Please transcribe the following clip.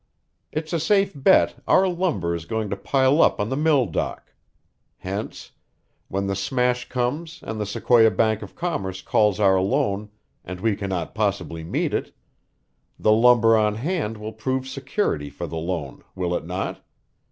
It's a safe bet our lumber is going to pile up on the mill dock; hence, when the smash comes and the Sequoia Bank of Commerce calls our loan and we cannot possibly meet it, the lumber on hand will prove security for the loan, will it not?